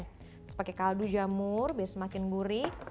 terus pakai kaldu jamur biar semakin gurih